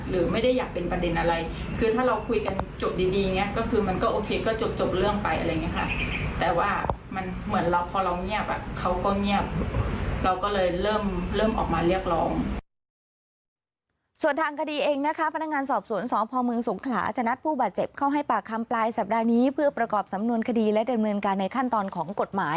เราก็เลยเริ่มออกมาเรียกร้อง